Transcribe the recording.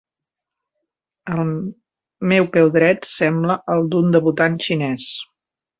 El meu peu dret sembla el d'un debutant xinès.